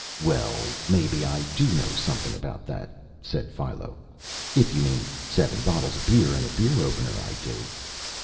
"Well, maybe I do know something about that," said Philo. "If you mean seven bottles of beer and a beer opener, I do."